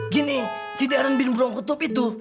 gini si darren bin brongutup itu